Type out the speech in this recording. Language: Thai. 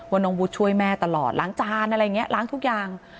ว่าน้องวุฒิช่วยแม่ตลอดล้างจานล้างทุกอย่าง